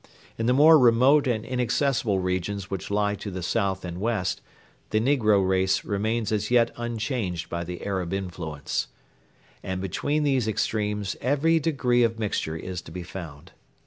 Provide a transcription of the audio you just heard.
In the more remote and inaccessible regions which lie to the south and west the negro race remains as yet unchanged by the Arab influence. And between these extremes every degree of mixture is to be found.